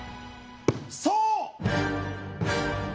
そう！